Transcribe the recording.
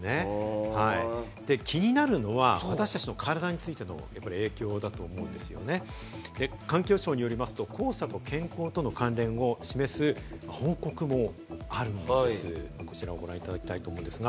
で、気になるのは私たちの体についての影響だと思うんですが、環境省によりますと、黄砂と健康との関連を示す報告もあるということなんです。